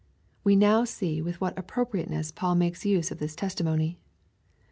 We now see with what appropriateness Paul makes use of this testimony.